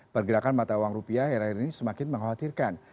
pergerakan mata uang rupiah akhir akhir ini semakin mengkhawatirkan